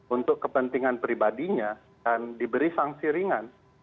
untuk kepentingan pribadinya dan diberi sanksi ringan